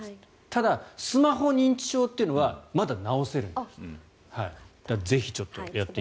ただ、スマホ認知症というのはまだ治せるんですって。